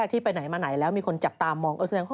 มีไหมมีรูปไหมฮะ